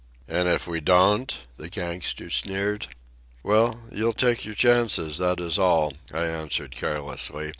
"And if we don't?" the gangster sneered. "Why, you'll take your chances, that is all," I answered carelessly.